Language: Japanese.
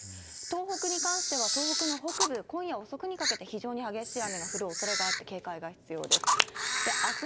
東北に関しては、東北の北部、今夜遅くにかけて非常に激しい雨が降るおそれがあって、警戒が必要です。